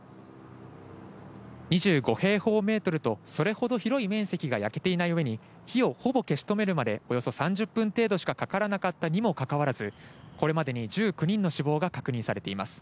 ２５平方メートルと、それほど広い面積が焼けていないうえに、火をほぼ消し止めるまで、およそ３０分程度しかかからなかったにもかかわらず、これまでに１９人の死亡が確認されています。